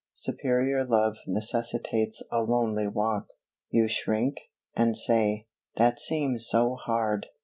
Superior love necessitates a lonely walk. You shrink, and say, "That seems so hard."